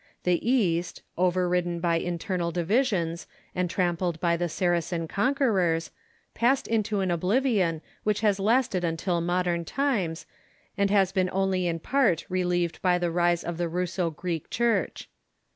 The East, overridden by internal divisions, and trampled by the Saracen conquerors, passed into an obliv ion which has lasted until modern times, and has been only in part relieved by the rise of the Russo Greek Church.